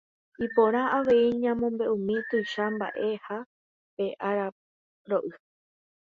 Iporã avei ñamombe'umi tuicha mba'eha pe araro'y